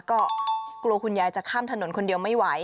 ก็กลัวคุณยายจะข้ามถนนคนเดียวไม่ไหว